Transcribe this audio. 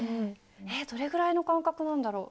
えどれぐらいの間隔なんだろう？